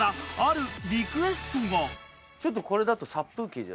ちょっとこれだと。